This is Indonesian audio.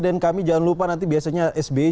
dan kami jangan lupa nanti biasanya sby lagi